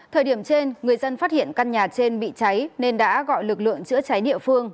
thời điểm trên người dân phát hiện căn nhà trên bị cháy nên đã gọi lực lượng chữa cháy địa phương